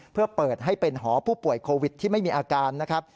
เพื่อเปิดให้เป็นหอผู้ป่วยโควิดที่ไม่มีอาการนะครับ